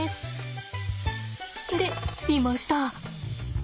でいました。